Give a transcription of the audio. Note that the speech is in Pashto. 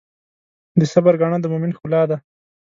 د صبر ګاڼه د مؤمن ښکلا ده.